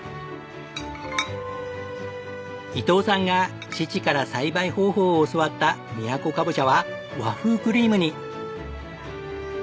伊藤さんが父から栽培方法を教わったみやこカボチャは和風クリームに。